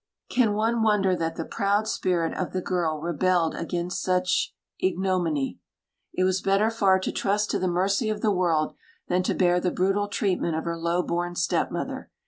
Can one wonder that the proud spirit of the girl rebelled against such ignominy? It was better far to trust to the mercy of the world than to bear the brutal treatment of her low born stepmother.